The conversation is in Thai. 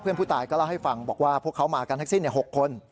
ผู้ตายก็เล่าให้ฟังบอกว่าพวกเขามากันทั้งสิ้น๖คน